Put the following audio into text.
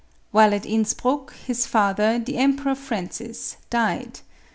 While at Inspruck, his father, the Emperor Francis, died.